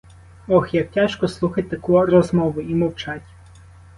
Ох, як тяжко слухать таку розмову і мовчать.